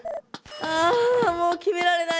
あもうきめられない！